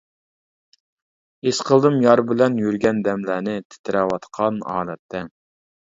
ھېس قىلدىم يار بىلەن يۈرگەن دەملەرنى تىترەۋاتقان ھالەتتە.